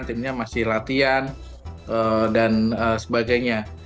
timnya masih latihan dan sebagainya